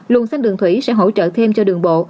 luồng sang đường thủy sẽ hỗ trợ thêm cho đường bộ